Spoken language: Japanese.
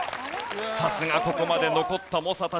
さすがここまで残った猛者たち。